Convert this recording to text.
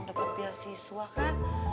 dapet beasiswa kan